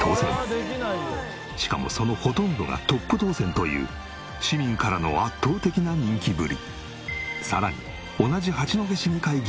しかもそのほとんどがトップ当選という市民からの圧倒的な人気ぶり。